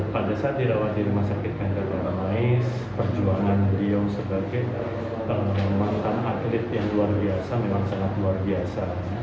pada saat dirawat di rumah sakit kanker darahis perjuangan beliau sebagai mantan atlet yang luar biasa memang sangat luar biasa